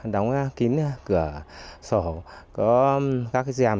đóng kín cửa sổ có các dèm